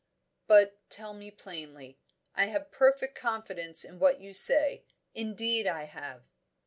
But tell me plainly. I have perfect confidence in what you say, indeed I have."